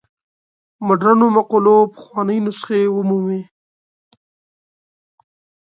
مډرنو مقولو پخوانۍ نسخې ومومي.